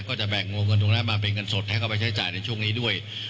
ก็จะแบ่งวงเงินตรงนั้นมาเป็นเงินสดให้เขาไปใช้จ่ายในช่วงนี้ด้วย